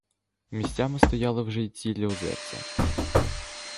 Місцями стояли вже й цілі озерця.